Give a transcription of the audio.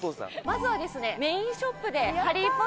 まずは。